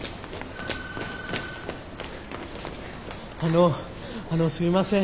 あのあのすいません。